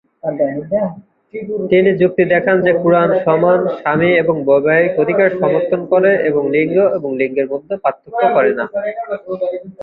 তিনি যুক্তি দেখান যে কুরআন সমান স্বামী এবং বৈবাহিক অধিকার সমর্থন করে এবং লিঙ্গ এবং লিঙ্গের মধ্যে পার্থক্য করে না।